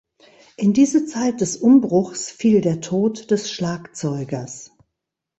In diese Zeit des Umbruchs fiel der Tod des Schlagzeugers.